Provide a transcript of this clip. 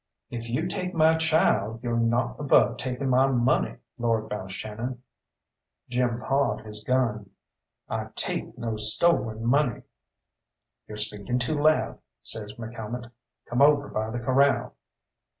"If you take my child, yo're not above taking my money, Lord Balshannon!" Jim pawed his gun "I take no stolen money!" "Yo're speaking too loud," says McCalmont, "come over by the corral."